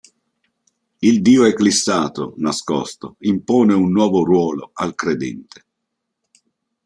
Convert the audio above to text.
Il Dio eclissato, nascosto, impone un nuovo ruolo al credente.